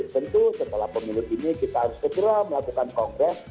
tentu setelah pemilu ini kita harus segera melakukan kongres